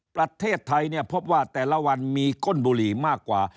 ประเทศไทยเนี่ยพบว่าแต่ละวันมีก้นบุหรี่มากกว่า